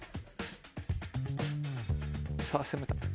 さぁ攻めた。